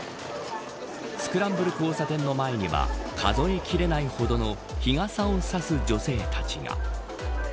スクランブル交差点の前には数え切れないほどの日傘を差す女性たちが。